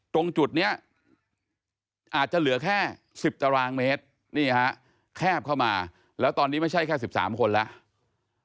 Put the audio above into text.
ตรงจุดนี้อาจจะเหลือแค่๑๐ตารางเมตรนี่ฮะแคบเข้ามาแล้วตอนนี้ไม่ใช่แค่๑๓คนแล้ว